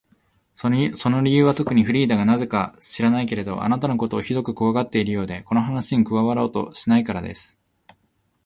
その理由はとくに、フリーダがなぜか知らないけれど、あなたのことをひどくこわがっているようで、この話に加わろうとしないからです。